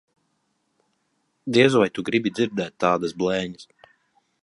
Diez vai tu gribi dzirdēt tādas blēņas.